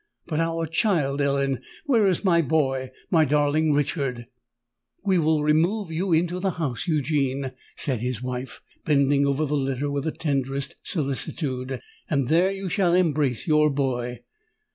But our child, Ellen—where is my boy—my darling Richard?" "We will remove you into the house, Eugene," said his wife, bending over the litter with the tenderest solicitude; "and there you shall embrace your boy!"